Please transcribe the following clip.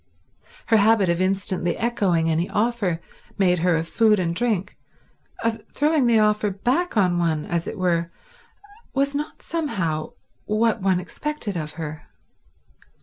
Her habit of instantly echoing any offer made her of food and drink, of throwing the offer back on one, as it were, was not somehow what one expected of her.